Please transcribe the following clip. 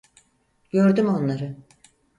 Gördüm onları.